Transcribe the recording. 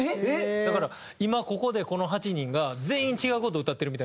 だから今ここでこの８人が全員違う事を歌ってるみたいな。